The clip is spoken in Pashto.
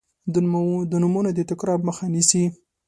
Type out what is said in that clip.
د نومونو د تکرار مخه نیسي.